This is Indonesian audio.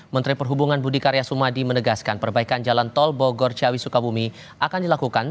menteri perhubungan budi karya sumadi menegaskan perbaikan jalan tol bogor ciawi sukabumi akan dilakukan